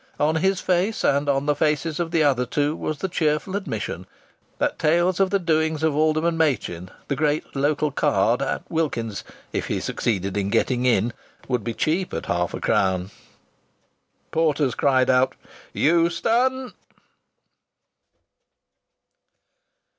On his face and on the faces of the other two was the cheerful admission that tales of the doings of Alderman Machin, the great local card, at Wilkins's if he succeeded in getting in would be cheap at half a crown. Porters cried out "Euston!"